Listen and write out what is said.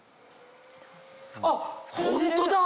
あっホントだ！